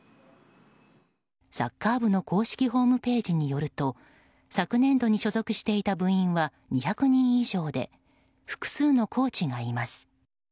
サッカー部の公式ホームページによると昨年度に所属していた部員は２００人以上で複数のコーチがいます。